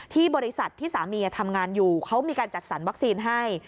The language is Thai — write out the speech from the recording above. บริษัทที่สามีทำงานอยู่เขามีการจัดสรรวัคซีนให้